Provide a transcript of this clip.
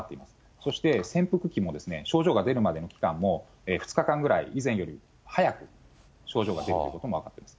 そして、潜伏期も症状が出るまでの期間も、２日間ぐらい、以前より早く症状が出ることも分かっています。